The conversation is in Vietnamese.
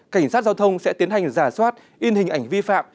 cảnh sát giao thông sẽ tiến hành giả soát in hình ảnh vi phạm